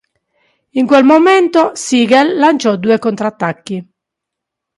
In quel momento, Sigel lanciò due contrattacchi.